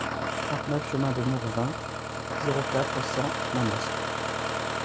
trente-neuf chemin du Mourvenc, zéro quatre, cent Manosque